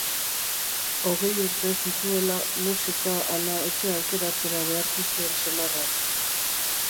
Hogei urte zituela, musika ala etxea aukeratzera behartu zuen senarrak.